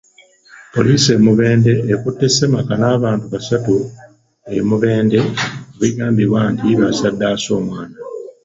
Poliisi e Mubende ekutte ssemaka n’abantu basatu e Mubende ku bigambibwa nti basaddaase omwana.